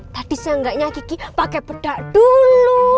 tadi seenggaknya kikiku pake pedak dulu